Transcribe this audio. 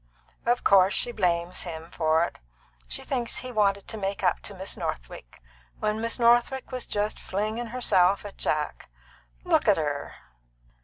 Of course she blames him for it. She thinks he wanted to make up to Miss Northwick, when Miss Northwick was just flinging herself at Jack. Look at her!"